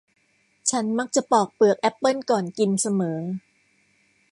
ฉันมักจะปอกเปลือกแอปเปิ้ลก่อนกินเสมอ